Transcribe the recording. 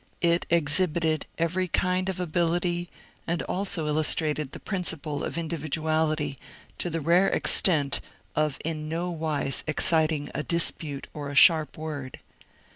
It exhibited every kind of ability, and also illustrated the principle of in dividuality to the rare extent of in no wise exciting a dispute or a sharp word.